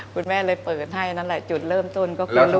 คุณแม่เลยเปิดให้จุดเริ่มต้นก็คือลูก